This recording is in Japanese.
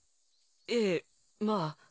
ええまぁ。